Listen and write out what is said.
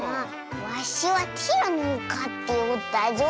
わしはティラノをかっておったぞ。